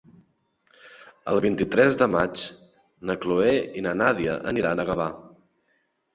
El vint-i-tres de maig na Chloé i na Nàdia aniran a Gavà.